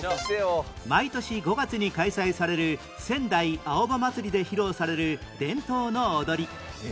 毎年５月に開催される仙台・青葉まつりで披露される伝統の踊り